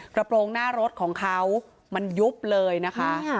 กระโปรงหน้ารถของเขามันยุบเลยนะคะ